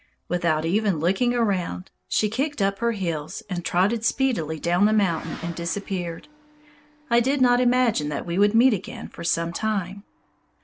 Without even looking round, she kicked up her heels and trotted speedily down the mountain and disappeared. I did not imagine that we would meet again for some time.